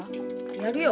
やるよ。